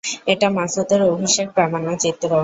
এটি মাসুদের অভিষেক প্রামাণ্যচিত্র।